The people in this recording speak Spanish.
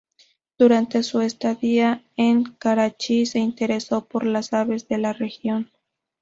Durante su estadía en Karachi, se interesó por las aves de la región.